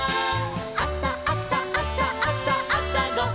「あさあさあさあさあさごはん」